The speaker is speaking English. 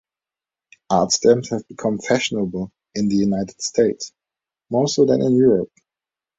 Art stamps have become fashionable in the United States, more so than in Europe.